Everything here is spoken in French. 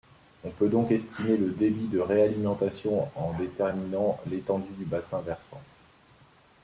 On peut donc estimer le débit de réalimentation en déterminant l’étendue du bassin versant.